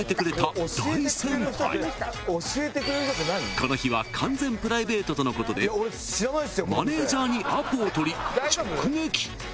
［この日は完全プライベートとのことでマネジャーにアポをとり直撃］